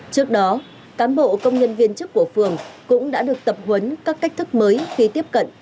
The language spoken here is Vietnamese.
trước đó cán bộ công nhân viên chức của phường cũng đã được tập huấn các cách thức mới khi tiếp cận